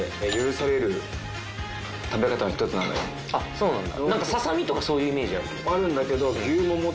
そうなんだ。